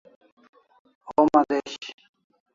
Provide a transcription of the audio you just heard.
Homa desh